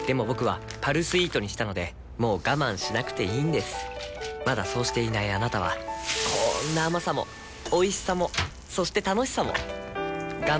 僕は「パルスイート」にしたのでもう我慢しなくていいんですまだそうしていないあなたはこんな甘さもおいしさもそして楽しさもあちっ。